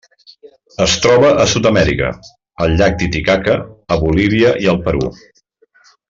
Es troba a Sud-amèrica: el llac Titicaca a Bolívia i el Perú.